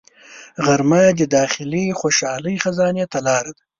غرمه د داخلي خوشحالۍ خزانې ته لار ده